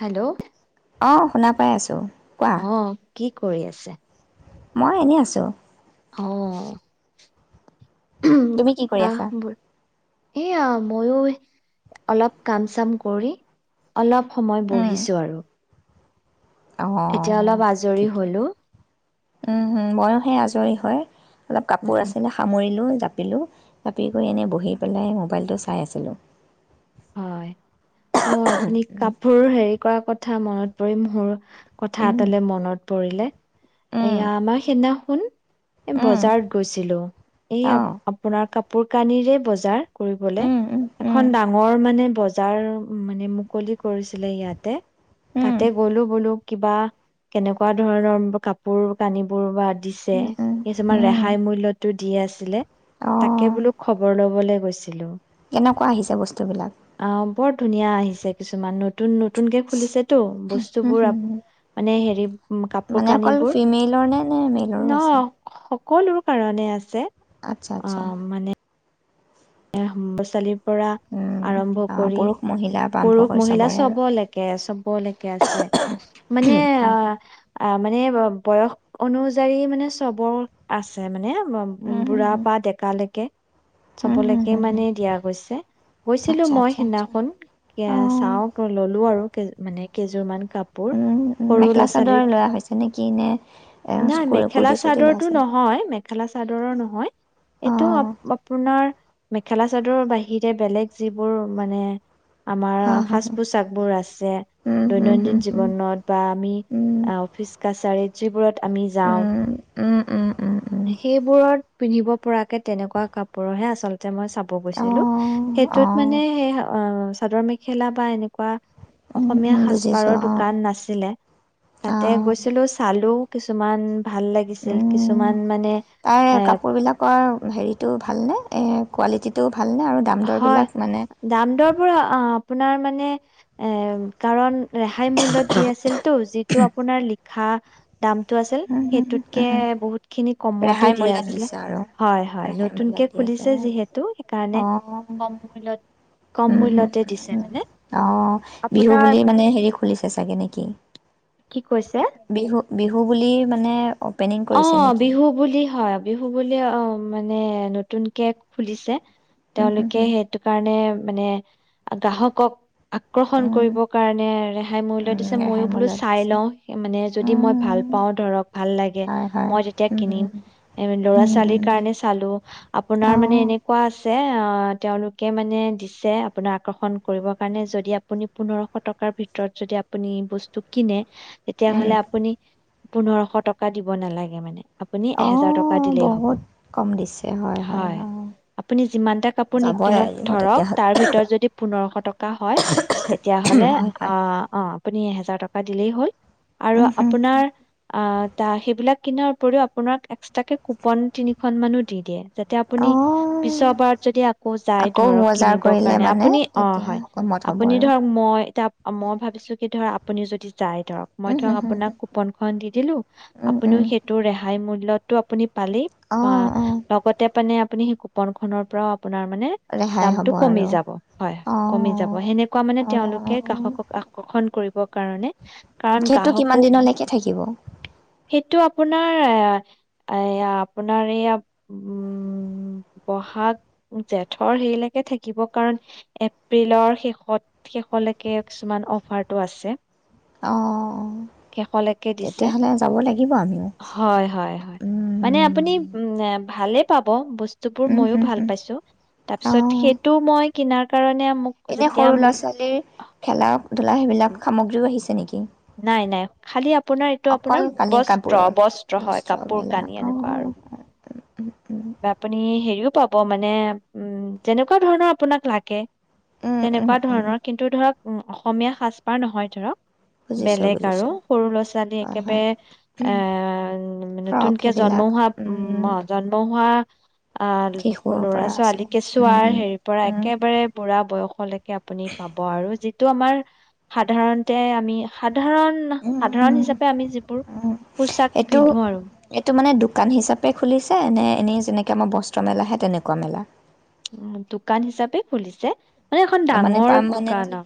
Hello অ অ' শুনা পাই আছোঁ। কোৱা? কি কৰি আছে? মই এনেই আছোঁ। অঁ! তুমি কি কৰি আহ আছা ব এয়া, মইয়ো অলপ কাম চাম কৰি, অলপ সময় উম, বহিছো আৰু! এতিয়া অঁ অলপ আজৰি ঠিকে হ'লো। উম, হু' ময়ো সে আজৰি হয় অলপ উম কাপোৰ আছিলে সামৰিলো। জাপিলোঁ, জাপি কৰি এনেই বহি পেলাই মোবাইলটো চাই আছিলোঁ হয়। অ' আপুনি কাপোৰ হেৰি কৰা কথা কথা মনত পৰি, মোৰ কথা উম, এটালে মনত পৰিলে। উম, এয়া, আমাৰ সিদিনাখন, উম, বজাৰত গৈছিলো। এই, অঁ আপোনাৰ কাপোৰ কানিৰে বজাৰ। যাৰ কৰিবলে উম, উম, উম, এখন ডা বৰ মানে, বজাৰ মানে, মুকলি কৰিছিলে ইয়াতে, উম, তাতে গ'লো বোলো, কিবা কেনেকুৱা ধৰণৰ কাপোৰ কানিবোৰ বা দিছে। উম, উম, কিছুমান উম, ৰেহাই মূল্যতো দি আছিলে। তাকে বোলো খবৰ লবলৈ গৈছিলো। এ [unintelligible] কোৱা আহিছে বস্তুবিলাক? আহ বৰ ধুনীয়া আহিছে কিছুমান নতুন নতুনকে খুলিছে টো হুম, বস্তুবোৰ হুম, হুম, মানে হেৰি উম, কাপোৰ মানে অকল কানিবোৰ ফিমেইলৰ নে নে ন মেইলৰো আছে সকলো কাৰণে আছে আচ্ছা আচ্ছা [unintelligible] পঢ়া উম, আৰম্ভ অঁ কৰি পুৰুষ মহিলা পৰা আৰম্ভ পুৰুষ কৰি মহিলা চবৰে আৰু চবলৈকে চবলৈকে আছে মানে হয় হয়। অ মানে বয়স অনুযায়ী মানে চবৰ আছে মানে উম, হুম, বুঢ়া হুম, পা ডেকালেকে চাব হুম, হুম, লাগে হুম, হুম, সিমানেই দিয়া গৈছে গৈছিলো আচ্ছা, মই আচ্ছা, আচ্ছা। সিদিনাখন অ', চাওটো ললো আৰু মানে কেইযোৰমান কাপ উম-উম, মেখেলা চাদৰৰে লোৱা হৈছে নেকি নে এ নাই মেখেলা কুৰ্তি-চুৰ্তি চাদৰটো লৈছে। নহয় মেখেলা চাদৰৰ নহয়। এইটো আ পুনাৰ মেখেলা-চাদৰ বাহিৰে বেলেগ যিবোৰ মানে আমাৰ হা, হা, হা, সাজ-পোছাক বোৰ আছে, যে উম, হুম, দৈনন্দিন হুম, হুম, জীৱনত বা আমি উম, অফিচ কাছাৰীত, যিবোৰত আমি যাও। উম, উম, উম, উম, উম, সেইবোৰত পিন্ধিব পৰাকে তেনেকুৱা কাপোৰহে আচলতে যে মই চাব গৈছিলো অ', সেইটোত অ', মানে অ' চাদৰ-মেখেলা, বা এনেকুৱা উম, অসমীয়া উম, সাজপাৰৰ বুজিছোঁ অ', দোকান নাছিলে। তাতে অ', গৈছিলো চালো কিছুমান ভাল লাগিছিল। কিছুমান মানে, তাৰে এ কাপোৰবিলাকৰ হেৰিটো ভালনে? কোৱালিটিটো, ভালনে আৰু দাম দৰবিলাক হয়। মানে দাম-দৰ পৰা অ', আপোনাৰ মানে এ কাৰণ ৰেহাই মূল্যত দি আছিলতো, যিটো আপোনাৰ লিখা দামটো আছিল। হুম, হুম, হুম, সেইটোতকে উম, বহুত সিখিনি কমতে ৰেহাই দিয়া মূল্যত আছিলে। দিছে আৰু হয়-হয়, ৰেহাই নতুনকে মূল্যত দি খুলি আছে। যিহেতু, সেইকাৰণে কম মূল্যত অ' কম উম', মূল্যতে দিছে মানে আহ' বিহু আপোনাৰ বুলি মানে হেৰি খুলিছে চাগে নেকি? কি কৈছে বিহু বিহু বুলি মানে অপেনিং কৰিছে অ', নেকি? বিহু বুলি হয়। বিহু বুলি অ' মানে নতুনকে খুলিছে। উম, হুম, তেওঁলোকে হুম, সেইটো কাৰণে মানে গ্ৰাহকক আকৰ্ষণ উম, কৰিবৰ কাৰণে ৰেহাই মূল্য উম, দিছে ৰেহাই ময়ো বোলো মূল্যত চাই দিছে। লওঁ, মানে যদি মই ভাল উম, পাওঁ ধৰক ভাল লাগে। হয়, হয়, মই যেতিয়া উম, কিনিম এ ল'ৰা-ছোৱালীৰ উম, কাৰণে চালোঁ আপোনাৰ মানে অ', এনেকুৱা আছে। এ তেওঁলোকে মানে দিছে আপোনাৰ আকৰ্ষণ কৰিবৰ কাৰণে যদি আপুনি পোন্ধৰশ টকাৰ ভিতৰত যদি আপুনি বস্তু কিনে। উম, তেতিয়াহ'লে আপুনি। পোন্ধৰশ টকা দিব। দিব নালাগে মানে। আপুনি এহেজাৰ টকা অ', দিলেই হব বহুত কম দিছে হয় আপুনি যিমানটা কাপোৰ যাবই নিকিনক লাগিব ধৰক তাৰ তেতিয়াহ'লে ভিতৰত যদি পোন্ধৰশ টকা। টকা হয়। তেতিয়হ'লে হয়, অ হয়, অ আপুনি এহেজাৰ। এহেজাৰ টকা দিলেই হ'ল। আৰু উম, হুম, আপোনাৰ আ। তাৰ ভিতৰত। এইবিলাক কিনাৰ উপৰিও আপোনাক এক্সট্ৰাকে কুপন তিনিখনমানো দি দিয়ে। যাতে আপুনি অ', পিছৰবাৰত যদি আকৌ যায় আকৌ ধৰক বজাৰ কিনিবৰ কৰিলে কাৰণে মানে আপুনি অ তেতিয়া হয় কমত হ'ব আপুনি আৰু ধৰক মই এতিয়া। অ মই ভাবিছোঁ কি ধৰা আপুনি যদি। যাই ধৰক মই উম, ধৰক হুম, হুম, আপোনাক কুপনখন দি দিলোঁ। উম, আপুনিও উম। সেইটো ৰেহাই মূল্যটো আপুনি। পালি অ লগতে মানে। আপুনি সেই কুপন খনৰ পৰাও। আপোনাৰ মানে ৰেহাই দামটো হ'ব কমি আৰু যাব হয় হয় অ'। কমি যাব সেনেকুৱা মানে অ', তেওঁলোকে গ্ৰাহকক আকৰ্ষণ কৰিব। কাৰণে। কাৰণ সেইটো কিমান গ্ৰাহকো দিনলৈকে থাকিব। সেইটো আপোনাৰ এয়া আপোনাৰ এয়া উম বহাগ জেঠৰ হেৰি লৈকে থাকিব কাৰণ এপ্ৰিলৰ শেষত শেষৰলৈকে কিছুমান অফাৰটো আছে। অ', শেষৰলৈকে দিছে। তেতিয়াহ'লে যাব লাগিব আমিও। হয় হয় হয় মানে উম, আপুনি উম ভালে। পাব বস্তু। বস্তুবোৰ উম, মইও হম, ভাল হম, পাইছোঁ তাৰ পিছত অ', সেইটো মই। কিনাৰ কাৰণে। মোক এনে যেতিয়া সৰু মোক ল'ৰা-ছোৱালীৰ খেলা। ধূলা সেইবিলাক সামগ্ৰীও আহিছে নেকি। নাই নাই খালি আপোনাৰ এইটো অকল আপোনাৰ কানি বস্ত্ৰ কাপোৰৰ বস্ত্ৰ হয় মেলা কাপোৰ-কানি এনেকুৱা আৰু। অ', উম। বা আপুনি হেৰিও পাব মানে উম যেনেকুৱা ধৰণৰ আপোনাক লাগে। উম, উম, তেনেকুৱা উম, ধৰণৰ কিন্তু ধৰক। উম অসমীয়া সাঁজপাৰ নহয় ধৰক। বুজিছোঁ, বেলেগ আৰু বুজিছোঁ সৰু ল'ৰা ছোৱালী হয়, হয়, একেবাৰে এ আহ ফ্ৰক নতুনকে জন্ম সেইবিলাক হোৱা উম জন্ম উ আহ শিশুৰ ল'ৰা পৰা আছে ছোৱালী উম, কেচুৱাৰ উম, হেৰিৰ পৰা উম, একেবাৰে বুঢ়া বয়সলৈকে আপুনি পাব আৰু যি টো আমাৰ সাধাৰণতে আমি সাত সাধাৰণ উম, সাধাৰণ উম। হিচাপে আমি যিবোৰ পোচাক এইটো পিন্ধো আৰু এইটো মানে দোকান হিচাপে খুলিছে নে এনেই যেনেকে আমাৰ বস্ত্ৰ মেলাহে তেনেকুৱা মেলা উম দোকান হিচাপে খুলিছে মানে এখন মানে ডাঙৰ দোকান পাৰমানেণ্টলি অ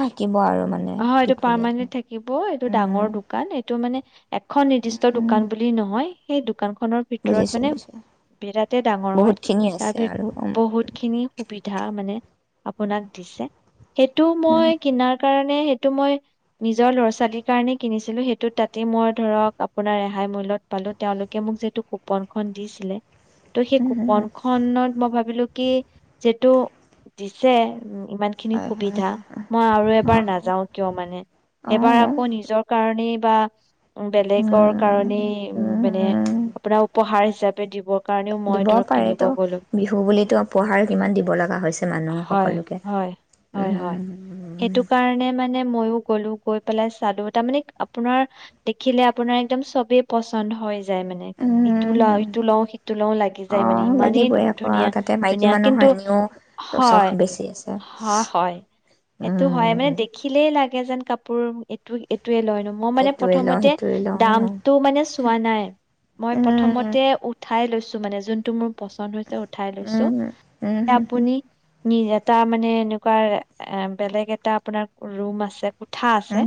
থাকিব আৰু মানে অ এইটো দীঘলীয়া দিন পাৰমানেন্ট থাকিব এইটো উম ডাঙৰ দোকান এইটো মানে এখন নিৰ্দিষ্ট উম দোকান বুলি নহয় সেই দোকান খনৰ ভিতৰত বুজিছো মানে বুজিছো বিৰাতে ডাঙৰ হয় বহুত খিনি তাৰ আছে আৰু ভিতৰত উম বহুত খিনি সুবিধা মানে আপোনাক দিছে সেইটো মই কিনাৰ কাৰণে মে সেইটো মই নিজৰ ল'ৰা ছালীৰ কাৰণে কিনিছিলোঁ সেইটো তাতে মই ধৰক আপোনাৰ ৰেহাই মূল্যত পালো তেওঁলোকে মোক যিহেতু কুপনখন দিছিলে ত' সেই উম হম কুপন হম খনত মই ভাবিলো কি যিটো দিছে উ ইমান খিনি হয় হয় সুবিধা মই আৰু এবাৰ না কিয় মানে অ এবাৰ অ', আকৌ নিজৰ কাৰণে পানী বা বেলেগৰ উম কাৰণেই মানে উম, আপোনাক উপহাৰ হিচাপে দিবৰ কাৰণেও মই দিব ধৰক কিনিব পাৰেতো গলো বিহু বুলিতো উপহাৰ কিমান দিব লগা হৈছে মানুহ হয় সকলোকে হয় হয় হয় উম সেইটো কাৰণে মইও গ'লো গৈ পেলাই চালো তাৰ মানে আপোনাৰ দেখিলে আপোনাৰ এক্দম চবেই পচন্দ হয় যায় মানে, উম ইটো লওঁ, উম, ইটো লওঁ সিটো লওঁ, লাগি যায় মানে, অঁ ইমানেই লাগিবই আকৌ ধুনীয়া আৰু তাতে মাইকী ধুনীয়া মানুহৰ কিন্তু এনেও চখ হয় বেছি আছে। হা হয় সেইটো হয় উম মানে দেখি লাগে যেন কাপোৰ এইটো লয় ন, মই মানে এইটোৱে লওঁ প্ৰথমতে সেইটোৱে লওঁ দামটো মানে চোৱা নাই, মই উম প্ৰথমতে উঠাই লৈছো মানে যোনটো মোৰ পচন্দ হৈছে উঠাই উম লৈছো উম হম আপুনি নি এটা মানে এনেকুৱা এ বেলেগ এটা আপোনাক ৰুম আছে কোঠা আছে, হম উম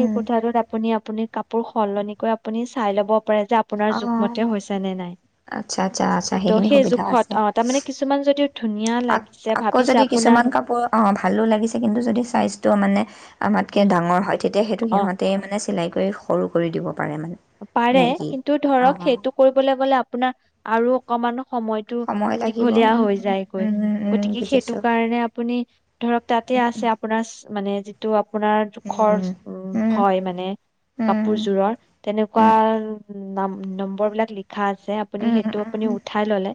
সেই কোঠাটোত আপুনি আপুনি কাপোৰ সলনি কৰি আপুনি চাই ল'ব যে আপুনাৰ অঁ জোখ মতে হৈছেনে নাই, আচ্ছা আচ্ছা আচ্ছা ত সেই জুখত অঁ তাৰ মানে কিছুমান যদি ধুনীয়া আ লাগিছে আকৌ ভাবিছে যদি আপোনাৰ কিছুমান কাপোৰ, অ', ভালো লাগিছে কিন্তু যদি চাইজ টো মানে আমাতকৈ উম, ডাঙৰ হয়, তেতিয়া সেইটো অ' সিহঁতে মানে চিলাই কৰি সৰু কৰি দিব পাৰে মানে। পাৰে নে কি কিন্তু ধৰক অঁ সেইটো কৰিবলৈ গ'লে আ আপোনাৰ আৰু অকমানো সময়তটো সময় লাগিব দীঘলীয়া উম হৈ যায়গৈ, উম উম গতিকে সেইটো বুজিছোঁ কাৰণে আপুনি ধৰক তাতে আছে আপোনাৰ মানে ত' আপোনাৰ জোখৰ উম উ উম হয় মানে উম, কাপোৰযোৰৰ তেনেকুৱা নাম-নম্বৰ বিলাক লি [unintelligible] আছে, আপুনি সেইটো আপুনি উঠাই ললে,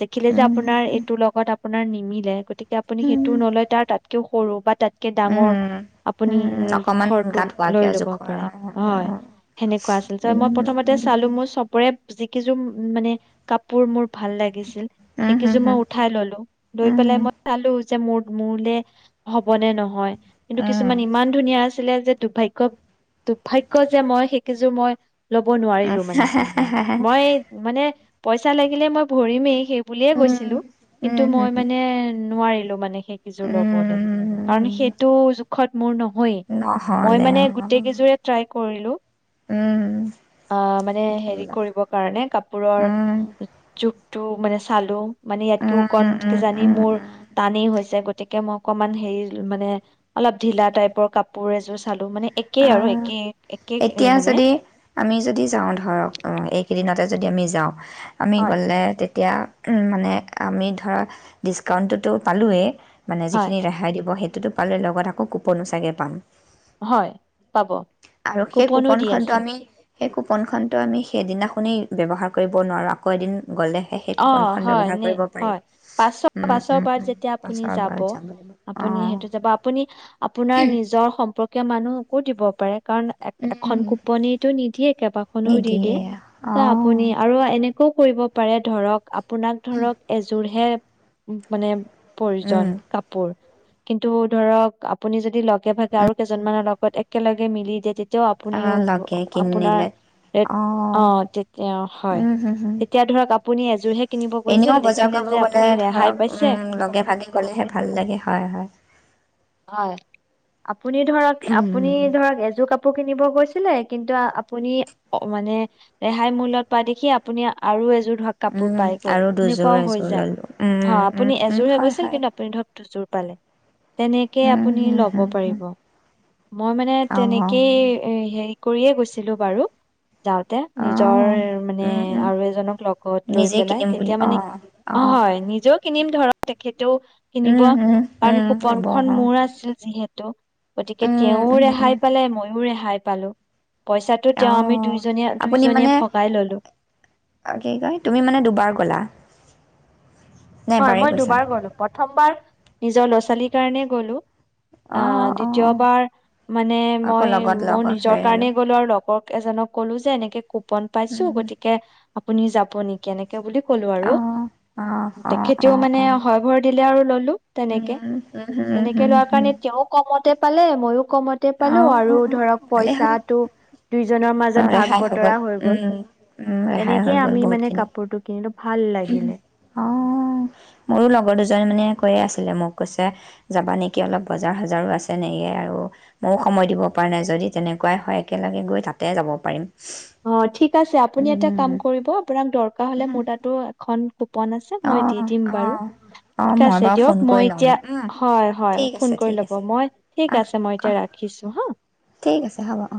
দেখিলে যে আপোনাৰ এইটো লগত আ আপোনাৰ নিমিলে গতিকে এতিয়া আপুনি সেইটো নলয় তাৰ তাত সৰু বা তাত কে ডাঙৰ আপুনি অকমান ঘৰটো গাত হোৱাকে লৈ আৰু ল'ব জোখৰ পাৰে আৰু হয় সেনেকুৱা আছিল, চ মই উম, প্ৰথমতে চালো মোৰ চবৰে যি কিযোৰ মানে কাপোৰ মোৰ ভাল লাগিছে হম, সেইকেইজোৰ হম, মই উঠাই ললো লৈ পেলাই উম, মই চালো যে মোৰ, মোলে হ'বনেে নহয়? কিন্তু উম, উম, কিছুমান ইমান ধুনীয়া আছে। ছিলে যে দুৰ্ভাগ্য। দুৰ্ভাগ্য যে মই [unintelligible] মই লব নোৱাৰিলো মানে মই মানে পইচা লাগিলে মই ভৰিমেই সেই বুলিয়ে গৈছিলো, কিন্তু উম, হম, মই হম, মানে নোৱাৰি [unintelligible] মানে সেইকেইযোৰ ল'বলৈ কাৰণ উম, সেইটো জোখত মোৰ নহয়েই, মই নহ'লে মানে অ', গোটেই কেইজোৰে ট্ৰাই কৰিলো। উম, অ', মানে উম, হেৰি কৰিব কাৰণে, কাপোৰৰ উম, জো টো মানে চালো। মানে ইয়াতকে কণ, উম, উম, কিজানি উম, মোৰ উম। টানেই হৈছে। গতিকে মই অকনমান, হেৰি মানে অলপ ঢিলা টাইপৰ কাপোৰ এযোৰ চালো। টো মানে একেই আৰু আ একে, একে এ, এতিয়া মানে যদি আমি যদি যাওঁ ধৰক সেইকেইদিনতে যদি আমি যাওঁ আমি হয়। গ'লে। এতিয়া উমঃ মানে আমি ধৰা ডিছকাউণ্টটোতো পালোঁৱেই মানে হয় যিখিনি ৰেহাই দিব হেই। টো পালে লগত আকৌ কোপনচাগৈ পাম হয় পাব আৰু সেই কুপনো দি কুপনখনটো আছে আমি সেই কুপনখনতটো আমি সেইদিনাখোনেই ব্যৱহাৰ কৰিব নোৱাৰোঁ আকৌ এদিন। গ'লেহে সেই অ কুপনখন হয় ব্যৱহাৰ নে কৰিব পাৰিম হয় পা উম, পাছ উম, বাৰ উম, যেতিয়া আপুনি পাছৰ যাব বাৰত লাগিব আপুনি অঁ সেইটো যাব আপুনি আপোনাৰ নিজৰ সম্পৰ্ক। মানুহকো দিব পাৰে। কাৰণ এ এখন কোপনো নিদিয়ে কেইবাখনো দি দিয়ে নিদিয়ে ত অঁ আপুনি আৰু এনে। কৰিব পাৰে। ধৰক আপ। আপোনাক ধৰক এযোৰে। উ মানে। পৰিজন কাপোৰ। কিন্তু ধৰক আপুনি যদি লগে ভাগে আৰু কেইজনমানৰ লগত একেলগে মিলি দিয়ে। তেওঁ আপুনিও লগে আপোনাৰ কিনিলে অ অঁ তে হয় উম, হুম, হুম। তেতিয়া ধৰক আপুনি আজোৰহে এনেও বজাৰ কৰিব গলে ধৰক পাইছে উম লগে ভাগে গলেহে ভাল লাগে হয় হয় হয়। আপুনি ধৰক আপুনি ধৰক এযোৰ কাপোৰ কাপোৰ কিনিব গৈছিলে কিন্তু আপুনি মানে ৰেহাই মূল্যত পোৱা দেখি আপুনি আৰু এযোৰ কাপোৰ উম, পাই গ'ল, আৰু দুযোৰ সেনেকুৱাও হৈ এযোৰ যায়। ললোঁ হ উম, উম, আপুনি উম, এযোৰ হে হয়, গৈছিল, হয়। কিন্তু আপুনি ধৰক, দুযোৰ পালে তেনেকেই উম, আপুনি হুম, লব হুম, হুম, পাৰিব মই মানে অ', তেনেকেই হে কৰিয়ে গৈছিলো বাৰু যাওঁতে নিজৰ অ', মানে উম, উম। আৰু এজনক লগত কৰি নিজে পেলায় কিনিম বুলি তেতিয়া মানে অ', অ', হয় নিজেও কিনিম অঅ তেখেত টো কিনিব উম, উম, কাৰণ উম, কুপন ল'ব খন অ'। মোৰ আছিল যিহেতু গতিকে উম, তেওঁৰু উম, উম, ৰেহাই পালে মই হে হাৰ পালো পইচাটো তেওঁ আমি অ', দুইজনীয়ে আপুনি দুইজনীয়ে মানে ভগাই ললো বাৰ গলা। নে হয়, এবাৰেই মই গৈছা? দুবাৰ গলো। প্ৰথমবাৰ নিজৰ লৰা-চোৱালীৰ কাৰণে গলো। আহ, অ', অ', অ'। দ্বিতীয়বাৰ মানে আকৌ মই লগত লগ মোৰ নিজৰ হৈ কাৰনেই গলো, আৰু লগৰ এজনক কলো যে এনেকে কুপন পাইছো, উম। গতিকে আপুনি যাব নেকি? এনেক কে বুলি ক'লো আৰু। অ', অ', অ', তেখেতেওঁ অ', মানে অ', হয় ভৰ দিলে আ আৰু ল'লো। উম, তেনেকে, হম, হম, তেনেকে হম, লোৱাৰ হম। কাৰণে তেওঁ কমতে পালে মইও কমতে পালো অ', আৰু ধৰক পইচাটো দুইজনৰ মাজ উ ৰেহাই হৈ গ'ল, উম, উম ৰেহাই তেনেকে হৈ গল আমি বহুত মানে খিনি। কাপোৰটো কিনিলো ভাল লাগিলে [unintelligible] অ। মোৰো লগৰ দুজনি মানে কৈয়ে আছিলে মোক, কৈছে যাবা নেকি অলপ বজাৰ সজাৰো আছে নে? য়ে আৰু ময়ো সময় দিব পৰা নাই, যদি তেনেকুৱাই হয়। একেলগে গৈ তাতে যাব পাৰিম। অ ঠিক আছে আপুনি এটা উম, কাম কৰিব, আপোনাক দৰকাৰ হলে উম, মোৰ তাতো আ খন কুপন আছে মই দি অ', দিম বাৰু, অ'। অ', ঠিক মই আছে বাৰু ফোন দিয়ক কৰি মই ল'ম এতিয়া, উম, হয়, হয়, ঠিক আছে, ফোন কৰি ঠিক ল'ব, আছে। মই ঠিক অ', আছে, মই এতিয়া অ', ৰাখিছো হা। ঠিক আছে হ'ব অ'।